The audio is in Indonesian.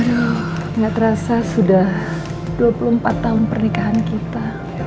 tidak terasa sudah dua puluh empat tahun pernikahan kita